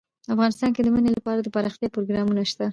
افغانستان کې د منی لپاره دپرمختیا پروګرامونه شته.